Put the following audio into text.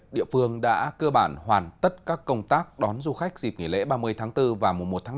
địa phương đã cơ bản hoàn tất các công tác đón du khách dịp nghỉ lễ ba mươi tháng bốn và mùa một tháng năm